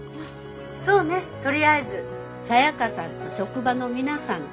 そうねとりあえずサヤカさんと職場の皆さんと。